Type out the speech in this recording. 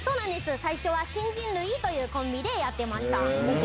最初は新人類というコンビでやってました。